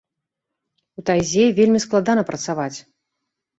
У тайзе вельмі складана працаваць.